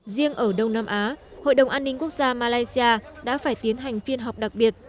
riêng ở đông nam á hội đồng an ninh quốc gia malaysia đã phải tiến hành phiên họp đặc biệt